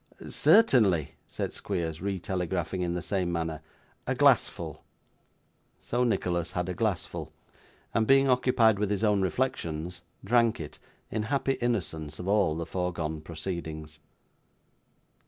'Certainly,' said Squeers, re telegraphing in the same manner. 'A glassful.' So Nicholas had a glassful, and being occupied with his own reflections, drank it, in happy innocence of all the foregone proceedings.